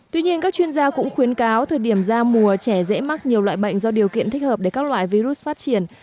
tuy nhiên các chuyên gia cũng khuyến cáo thời điểm ra mùa trẻ dễ mắc nhiều loại bệnh do điều kiện thích hợp để các loại virus phát triển